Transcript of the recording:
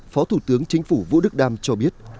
phó thủ tướng chính phủ vũ đức đam cho biết